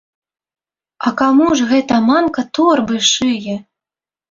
А каму ж гэта мамка торбы шые?